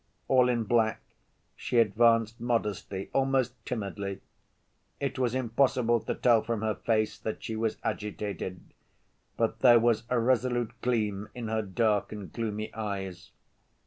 All in black, she advanced modestly, almost timidly. It was impossible to tell from her face that she was agitated; but there was a resolute gleam in her dark and gloomy eyes.